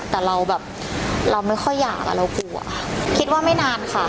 แต่เราแบบเราไม่ค่อยอยากเรากลัวคิดว่าไม่นานค่ะ